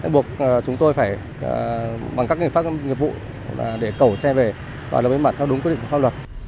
bộc chúng tôi phải bằng các nghiệp pháp nghiệp vụ để cẩu xe về và đối mặt theo đúng quy định pháp luật